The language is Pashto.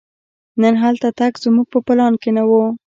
نن هلته تګ زموږ په پلان کې نه و.